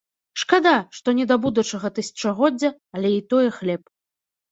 Шкада, што не да будучага тысячагоддзя, але і тое хлеб.